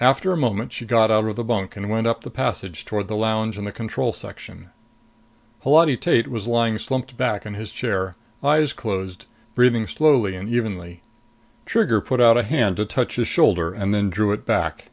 After a moment, she got out of the bunk and went up the passage toward the lounge and the control section. Holati Tate was lying slumped back in his chair, eyes closed, breathing slowly and evenly. Trigger put out a hand to touch his shoulder and then drew it back.